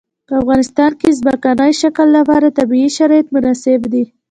په افغانستان کې د ځمکنی شکل لپاره طبیعي شرایط مناسب دي.